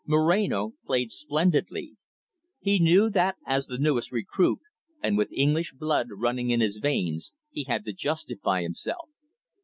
Moreno played splendidly. He knew that, as the newest recruit, and with English blood running in his veins, he had to justify himself.